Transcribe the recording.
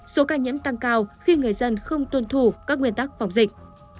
số ca nhiễm tăng cao khi người dân không tuân thủ các nguyên tắc phòng dịch